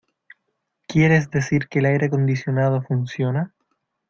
¿Quieres decir que el aire acondicionado funciona?